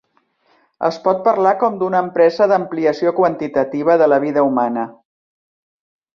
Es pot parlar com d'una empresa d'ampliació quantitativa de la vida humana.